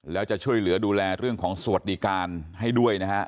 แล้วจะช่วยเหลือดูแลเรื่องของสวัสดิการให้ด้วยนะฮะ